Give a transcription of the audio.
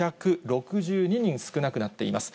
５６２人少なくなっています。